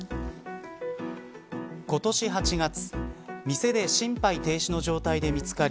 今年８月店で心肺停止の状態で見つかり